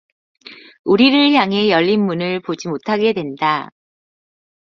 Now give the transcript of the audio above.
우리를 향해 열린 문을 보지 못하게 된다.